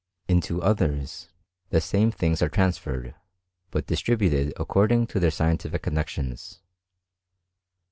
Into others, the same things are transferred, but distributed according to their scientific connexions.